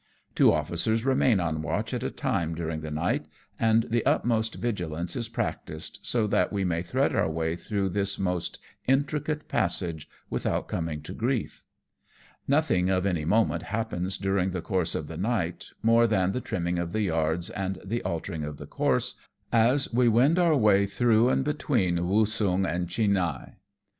22 1 Two officers remain on watch at a time during the night, and the utmost vigilance is practised, so that we may thread our way through this most intricate passage without coming to grief. !N"othing of any moment happens during the course of the night, more than the trimming of the yards and the altering of the course, as we wend our way through between "Woosung and Chinhae.